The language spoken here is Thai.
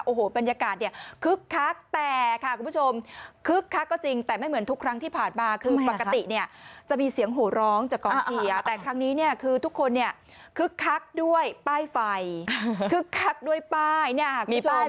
โอ้โหบรรยากาศเนี่ยคึกคักแต่ค่ะคุณผู้ชมคึกคักก็จริงแต่ไม่เหมือนทุกครั้งที่ผ่านมาคือปกติเนี่ยจะมีเสียงโหร้องจากกองเชียร์แต่ครั้งนี้เนี่ยคือทุกคนเนี่ยคึกคักด้วยป้ายไฟคึกคักด้วยป้ายเนี่ยคุณผู้ชม